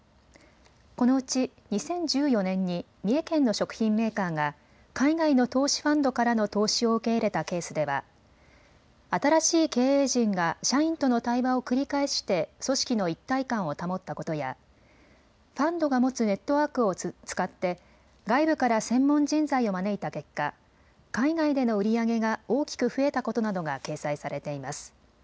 このうち２０１４年に三重県の食品メーカーが海外の投資ファンドからの投資を受け入れたケースでは新しい経営陣が社員との対話を繰り返して組織の一体感を保ったことやファンドが持つネットワークを使って外部から専門人材を招いた結果、海外での売り上げが大きく増えたことなどが掲載されています。